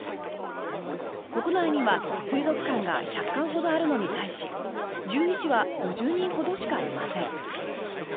国内には水族館が１００館ほどあるのに対し獣医師は５０人ほどしかいません。